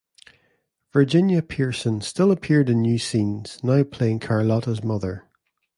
Virginia Pearson still appeared in new scenes, now playing Carlotta's mother.